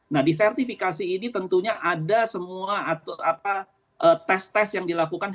nah di sertifikasi ini tentunya ada semua tes tes yang dilakukan